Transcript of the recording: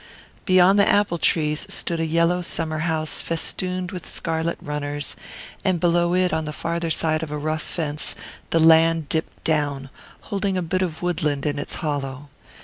Beyond the apple trees stood a yellow summer house festooned with scarlet runners; and below it, on the farther side of a rough fence, the land dipped down, holding a bit of woodland in its hollow.